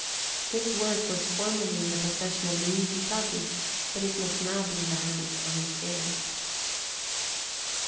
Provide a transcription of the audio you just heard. This work was formerly in the possession of Luigi Gaddi, and it must now be in the hands of his heirs.